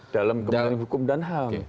dalam kementerian hukum dan ham